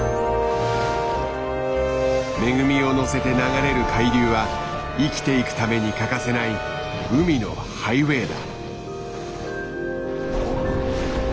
恵みを乗せて流れる海流は生きていくために欠かせない海のハイウエーだ。